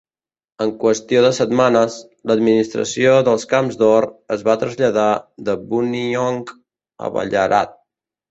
En qüestió de setmanes, l'administració dels camps d'or es va traslladar de Buninyong a Ballarat.